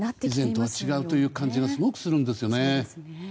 以前とは違うという感じがすごくするんですよね。